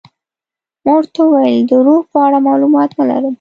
ما ورته وویل د روح په اړه معلومات نه لرم.